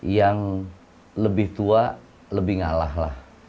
yang lebih tua lebih ngalah lah